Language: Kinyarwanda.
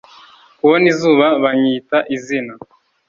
kubona izuba banyita izina